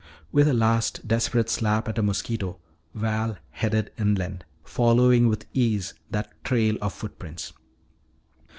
With a last desperate slap at a mosquito Val headed inland, following with ease that trail of footprints.